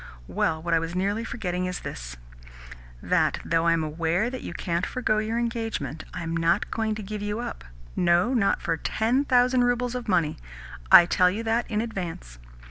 Well, what I was nearly forgetting is this: that, though I am aware that you can't forgo your engagement, I am not going to give you up no, not for ten thousand roubles of money. I tell you that in advance."